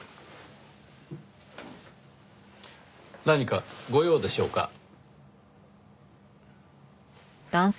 何かご用でしょうか？